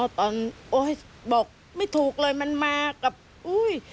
ตอนโอ๊ยบอกไม่ถูกเลยมันมากับอุ้ย